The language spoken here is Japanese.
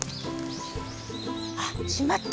あっしまった！